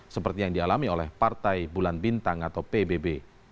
seperti yang dialami oleh partai bulan bintang atau pbb